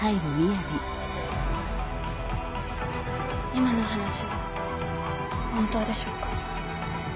今のお話は本当でしょうか？